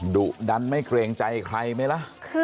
ดุดันไม่เกรงใจใครไหมล่ะ